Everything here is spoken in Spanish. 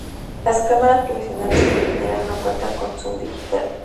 Las cámaras profesionales, por lo general, no cuentan con zoom digital.